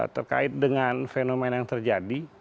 terkait dengan fenomena yang terjadi